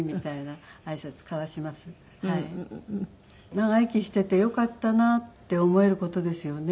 長生きしていてよかったなって思える事ですよね。